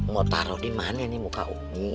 mau taruh dimana ini muka umi